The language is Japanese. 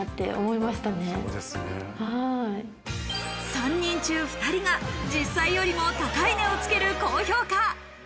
３人中２人が実際よりも高い値をつける高評価。